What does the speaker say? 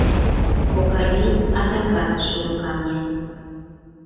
Огавий адакат шӱлыкаҥе.